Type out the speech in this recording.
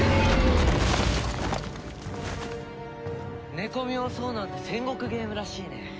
寝込みを襲うなんて戦国ゲームらしいね。